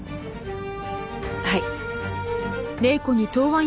はい。